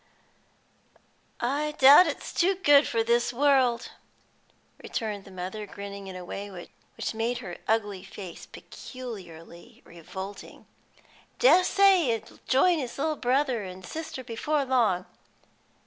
"I doubt it's too good for this world," returned the mother, grinning in a way which made her ugly face peculiarly revolting. "Dessay it'll join its little brother an' sister before long.